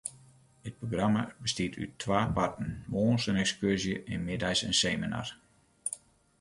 It programma bestiet út twa parten: moarns in ekskurzje en middeis in seminar.